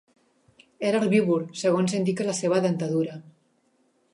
Era herbívor, segons indica la seva dentadura.